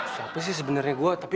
siapa sih sebenarnya gue tapi